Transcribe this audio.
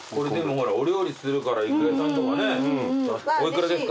お料理するから郁恵さんとかね。お幾らですか？